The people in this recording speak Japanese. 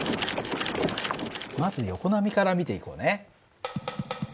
まず横波から見ていこうね。